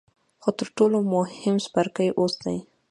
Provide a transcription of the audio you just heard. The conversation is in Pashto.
خو تر ټولو مهم څپرکی اوس دی.